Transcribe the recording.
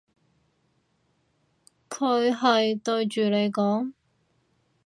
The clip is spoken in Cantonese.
佢係對住你講？